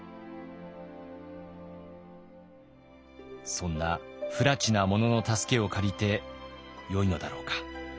そんなふらちな者の助けを借りてよいのだろうか。